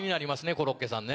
コロッケさんね。